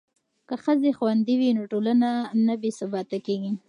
که ښځې خوندي وي نو ټولنه نه بې ثباته کیږي.